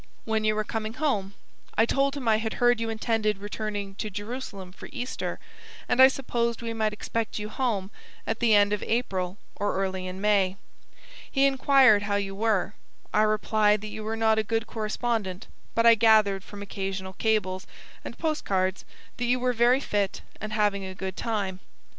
When you were coming home. I told him I had heard you intended returning to Jerusalem for Easter, and I supposed we might expect you home at the end of April or early in May. He inquired how you were. I replied that you were not a good correspondent, but I gathered from occasional cables and post cards that you were very fit and having a good time.